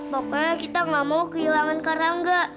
pokoknya kita gak mau kehilangan karangga